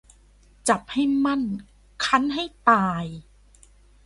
จับให้มั่นคั้นให้ตาย